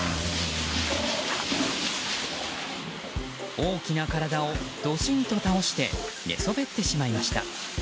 大きな体をドシンと倒して寝そべってしまいました。